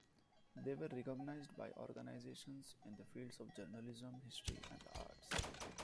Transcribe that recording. They were recognized by organizations in the fields of journalism, history, and the arts.